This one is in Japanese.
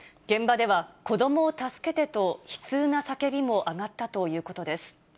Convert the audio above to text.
現場では、子どもを助けてと悲痛な叫びも上がったということです。